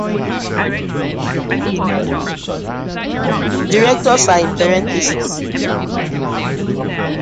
Directors are in parentheses.